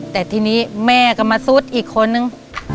แต่ทีนี้แม่ก็มาซุดอีกคนนึง